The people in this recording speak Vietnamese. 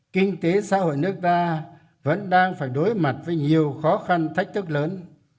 kinh tế xã hội nước ta vẫn đang phải đối mặt với nhiều khó khăn thách thức lớn